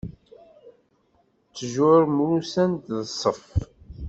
Ttjur mrussant d ṣṣeff.